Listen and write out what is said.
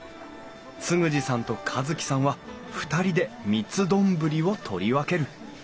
嗣二さんと一樹さんは２人で三ツ丼を取り分ける。